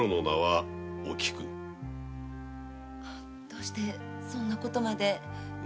どうしてそんな事まで？